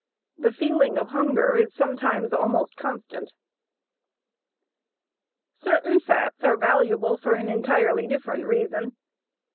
The feeling of hunger is sometimes almost constant. Certain fats are valuable for an entirely different reason.